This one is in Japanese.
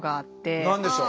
何でしょう？